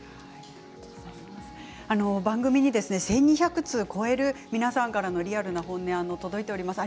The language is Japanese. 番組に１２００通を超えるリアルな本音が届いています。